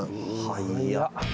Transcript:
早っ。